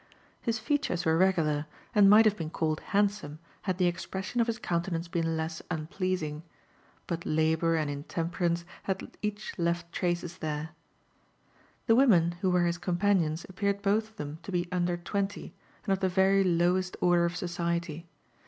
His features were regular, ^i^i might have been called handsome, bad the expressioii of his counte nance he^n less unpleasing ; but laboiir and intemperance h^d ^ch left Uaces there. The women who were his companions appeared both of them to l^ under twenty, and of the very lowest order of society.